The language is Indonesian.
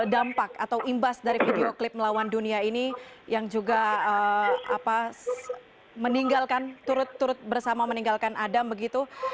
dampak atau imbas dari video klip melawan dunia ini yang juga meninggalkan turut turut bersama meninggalkan adam begitu